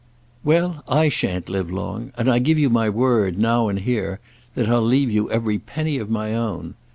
"Well, I shan't live long; and I give you my word, now and here, that I'll leave you every penny of my own.